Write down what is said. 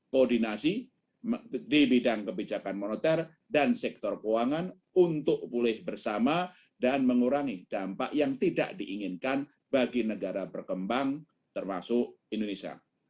koordinasi di bidang kebijakan moneter dan sektor keuangan untuk pulih bersama dan mengurangi dampak yang tidak diinginkan bagi negara berkembang termasuk indonesia